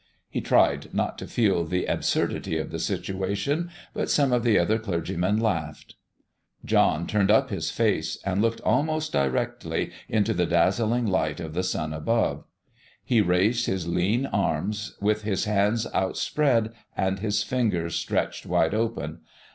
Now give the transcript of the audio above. He tried not to feel the absurdity of the situation, but some of the other clergymen laughed. John turned up his face and looked almost directly into the dazzling light of the sun above. He raised his lean arms, with his hands outspread and his fingers stretched wide open.